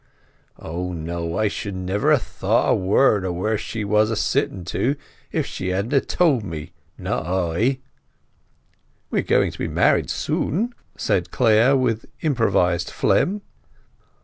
O no, I should never ha' thought a word of where she was a sitting to, if she hadn't told me—not I." "We are going to be married soon," said Clare, with improvised phlegm.